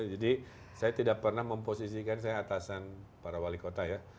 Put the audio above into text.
jadi saya tidak pernah memposisikan saya atasan para wali kota ya